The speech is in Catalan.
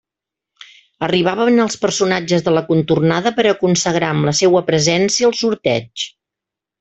Arribaven els personatges de la contornada per a consagrar amb la seua presència el sorteig.